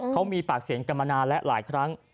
เขามีปากเสียงกันมานานและหลายครั้ง